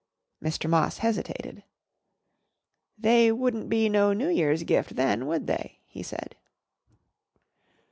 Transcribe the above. Mr. Moss hesitated. "They wouldn't be no New Year's gift then, would they?" he said.